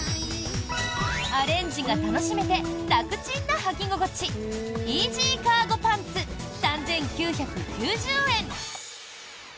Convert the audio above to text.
アレンジが楽しめて楽ちんなはき心地イージーカーゴパンツ３９９０円。